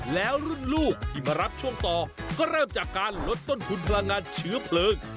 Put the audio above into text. แล้วรุ่นลูกที่มารับช่วงต่อก็เริ่มจากการลดต้นทุนพลังงานเชื้อเพลิง